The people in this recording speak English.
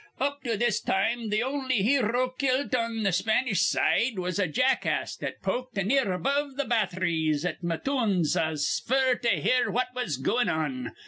Up to this time th' on'y hero kilt on th' Spanish side was a jackass that poked an ear above th' batthries at Matoonzas f'r to hear what was goin' on.